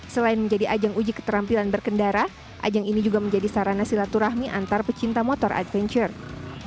selain menjadi ajang uji keterampilan berkendara ajang ini juga menjadi sarana silaturahmi antar pecinta motor adventure